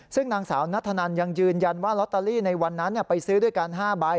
ซึ่งนางสาวนัทธนันยังยืนยันว่าลอตเตอรี่ในวันนั้นไปซื้อด้วยกัน๕ใบ